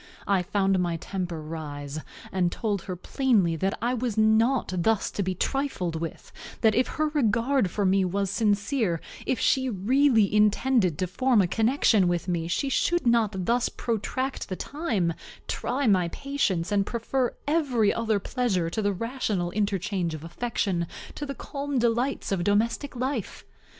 I found my temper rise, and told her plainly that I was not thus to be trifled with; that if her regard for me was sincere, if she really intended to form a connection with me, she could not thus protract the time, try my patience, and prefer every other pleasure to the rational interchange of affection, to the calm delights of domestic life.